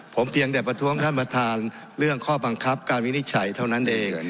ผมเพียงแต่ประท้วงท่านประธานเรื่องข้อบังคับการวินิจฉัยเท่านั้นเอง